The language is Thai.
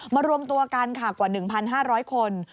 มารวมตัวกันกว่า๑๕๐๐คน